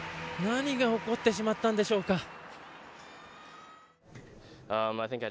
何が起こってしまったんでしょうか。